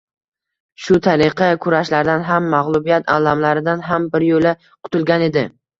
Shu tariqa, kurashlardan ham, mag‘lubiyat alamlaridan ham biryo‘la qutilgan edi.